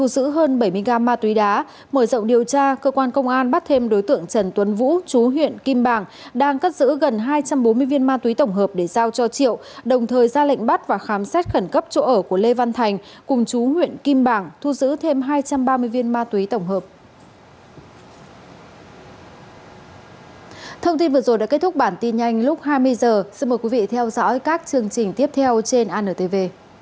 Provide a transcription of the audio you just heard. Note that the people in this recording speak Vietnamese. xin mời quý vị theo dõi các chương trình tiếp theo trên antv